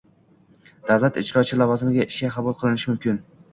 davlat ijrochi lavozimiga ishga qabul qilinishi mumkin